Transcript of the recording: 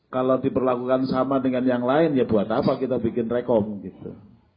kalau diperlakukan sama dengan yang lain ya buat apa kita bikin rekom gitu